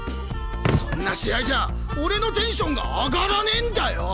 そんな試合じゃ俺のテンションが上がらねえんだよ！